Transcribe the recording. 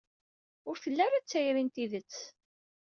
Ur telli ara d tayri n tidet.